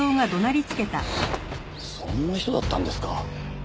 そんな人だったんですか。